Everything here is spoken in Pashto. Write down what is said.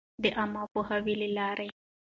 د عــامه پـوهــاوي لـه لارې٫